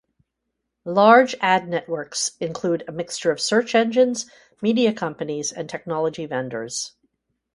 Large ad networks include a mixture of search engines, media companies, and technology vendors.